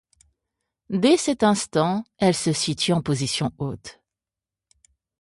Dès cet instant elle se situe en position haute.